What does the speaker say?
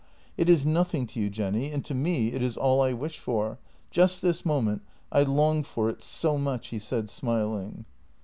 It is nothing to you, Jenny, and to me it is all I wish for — just this moment I long for it so much," he said, smiling.